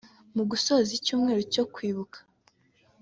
Mu gusoza icyumweru cyo kwibuka